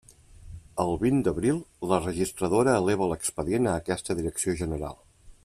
El vint d'abril, la registradora eleva l'expedient a aquesta Direcció General.